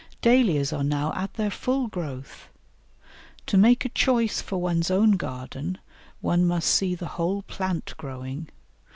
Dahlias are now at their full growth. To make a choice for one's own garden, one must see the whole plant growing.